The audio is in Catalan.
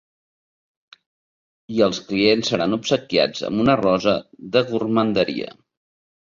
I els clients seran obsequiats amb una rosa de gormanderia.